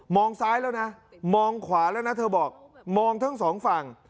ซ้ายแล้วนะมองขวาแล้วนะเธอบอกมองทั้งสองฝั่ง